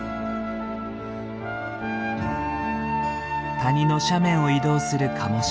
谷の斜面を移動するカモシカ。